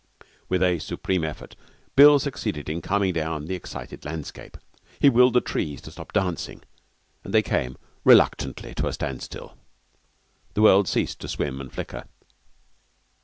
With a supreme effort Bill succeeded in calming down the excited landscape. He willed the trees to stop dancing, and they came reluctantly to a standstill. The world ceased to swim and flicker.